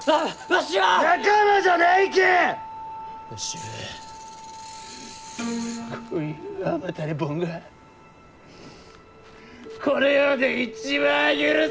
わしはこういう甘たれボンがこの世で一番許せんがじゃ！